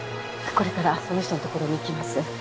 これからその人のところに行きます。